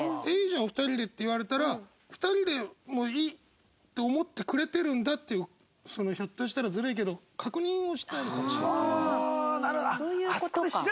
「いいじゃん２人で」って言われたら２人でもいいって思ってくれてるんだっていうひょっとしたらずるいけど確認をしたいのかもしれない。